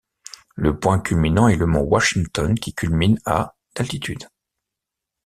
Le point culminant est le mont Washington qui culmine à d'altitude.